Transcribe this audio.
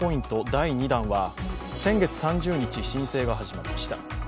第２弾は先月３０日、申請が始まりました。